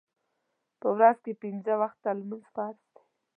په ورځ کې پنځه وخته لمونځ فرض دی.